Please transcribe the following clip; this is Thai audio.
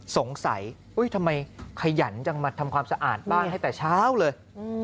สงสัยทำไมขยันจังมาทำความสะอาดบ้านให้แต่เช้าเลย